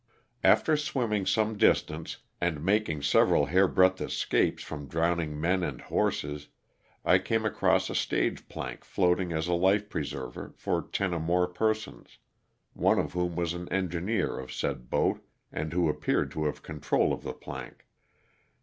After swimming some distance and making several hair breadth escapes from drowning men and horses I came across a stage plank floating as a life preserver for ten or more persons, one of whom was an engineer of said boat and who appeared to have control of the plank.